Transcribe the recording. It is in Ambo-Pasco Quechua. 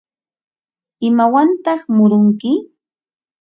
¿Imawantaq murunki?